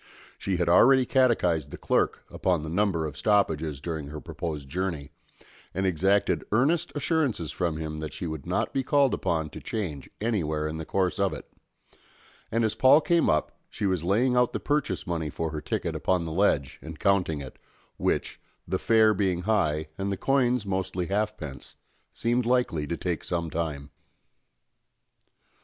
She had already catechised the clerk upon the number of stoppages during her proposed journey, and exacted earnest assurances from him that she would not be called upon to change anywhere in the course of it; and as Paul came up she was laying out the purchase money for her ticket upon the ledge and counting it, which, the fare being high and the coins mostly halfpence, seemed likely to take some time.